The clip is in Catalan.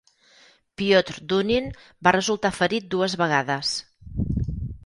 Piotr Dunin va resultar ferit dues vegades.